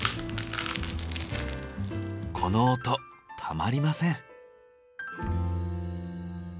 この音たまりません。